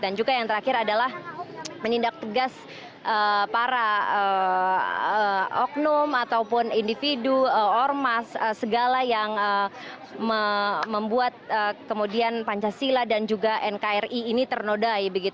juga yang terakhir adalah menindak tegas para oknum ataupun individu ormas segala yang membuat kemudian pancasila dan juga nkri ini ternodai